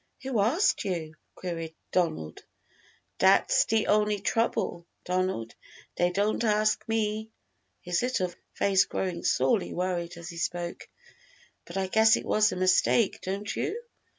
"Who asked you?" queried Donald. "Dat's de only trouble, Donald; dey didn't ask me," his little face growing sorely worried as he spoke; "but I guess it was a mistake, don't you?"